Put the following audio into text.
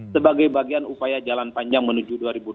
sebagai bagian upaya jalan panjang menuju dua ribu dua puluh